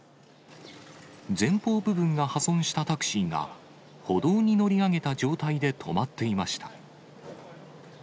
前方部分が破損したタクシーが、歩道に乗り上げた状態で止まっていました。